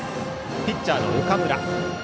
ピッチャーの岡村。